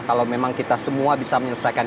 kalau memang kita semua bisa menyelesaikan